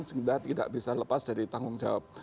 sehingga tidak bisa lepas dari tanggung jawab